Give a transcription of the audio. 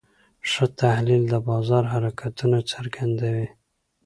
ښه تحلیل د بازار حرکتونه څرګندوي.